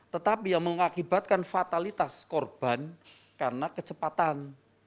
tetapi yang mengakibatkan fatalitas korban karena kecepatan